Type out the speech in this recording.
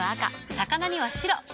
魚には白。